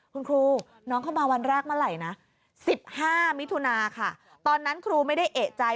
คุณครูน้องเข้ามาวันแรกเมื่อไหร่นะ๑๕มิถุนาค่ะตอนนั้นครูไม่ได้เอกใจ